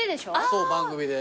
そう番組で。